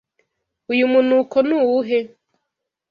Uyu munuko ni uwuhe?